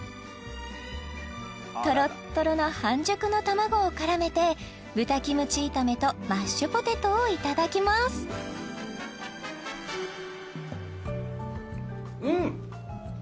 トロットロの半熟の卵を絡めて豚キムチ炒めとマッシュポテトをいただきますうん！